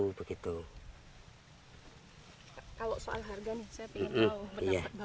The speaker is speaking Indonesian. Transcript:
kalau soal harga saya ingin tahu pendapat bapak